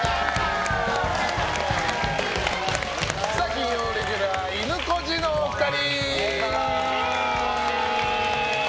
金曜レギュラーいぬこじのお二人！